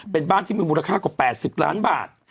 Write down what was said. เป็นบ้านที่มีมูลค่ากว่า๘๐ล้านบาท